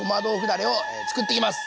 だれを作っていきます。